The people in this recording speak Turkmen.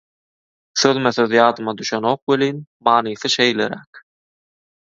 Sözme-söz ýadyma düşünek welin, manysy şeýleräk: